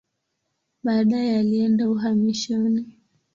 Baadaye alienda uhamishoni.